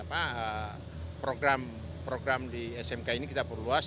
program program di smk ini kita perluas